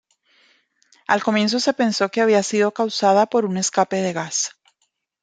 Al comienzo se pensó que había sido causada por un escape de gas.